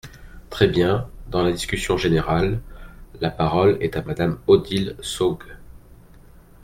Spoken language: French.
Très bien ! Dans la discussion générale, la parole est à Madame Odile Saugues.